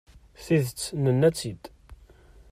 Tidet, nenna-tt-id.